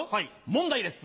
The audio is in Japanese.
問題です。